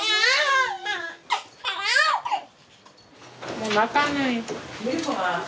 もう泣かない。